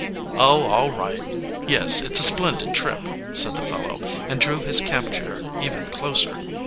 "Oh, all right. Yes, it's a splendid trip," said the fellow, and drew his camp chair even closer.